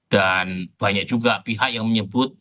dan banyak juga pihak yang menyebut